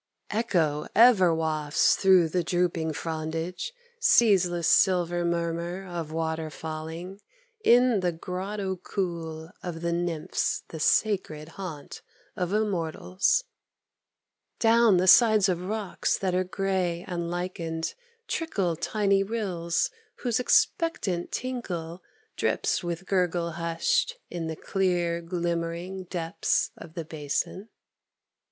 Echo ever wafts through the drooping frondage, Ceaseless silver murmur of water falling In the grotto cool of the Nymphs, the sacred Haunt of Immortals; Down the sides of rocks that are gray and lichened Trickle tiny rills, whose expectant tinkle Drips with gurgle hushed in the clear glimmering Depths of the basin.